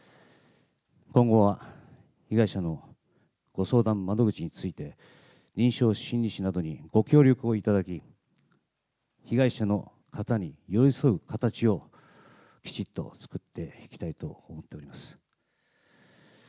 今後は被害者のご相談窓口について、臨床心理士などにご協力をいただき、被害者の方に寄り添う形をきちっと作っていきたいと思っております。